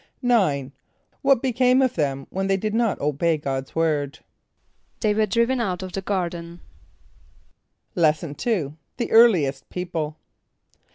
= =9.= What became of them when they did not obey God's word? =They were driven out of the garden.= Lesson II. The Earliest People.